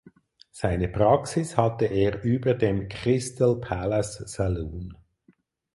Seine Praxis hatte er über dem Crystal Palace Saloon.